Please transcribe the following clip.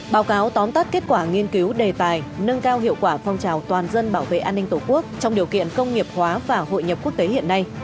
báo cáo tóm tắt kết quả nghiên cứu đề tài nâng cao hiệu quả phong trào toàn dân bảo vệ an ninh tổ quốc trong điều kiện công nghiệp hóa và hội nhập quốc tế hiện nay